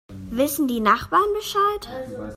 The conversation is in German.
Wissen die Nachbarn Bescheid?